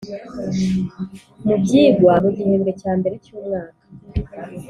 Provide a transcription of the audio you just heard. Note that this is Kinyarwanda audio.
Mu byigwa mu gihembwe cya mbere cy umwaka